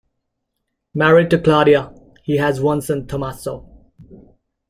Married to Claudia, he has one son, Tommaso.